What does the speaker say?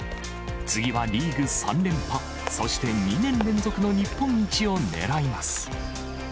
次はリーグ３連覇、そして２年連続の日本一をねらいます。